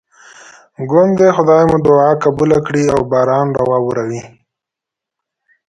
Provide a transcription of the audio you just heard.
ګوندې خدای مو دعا قبوله کړي او باران راواوري.